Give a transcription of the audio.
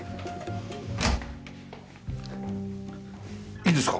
いいですか？